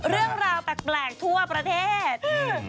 เรื่องราวแปลกทั่วประเทศ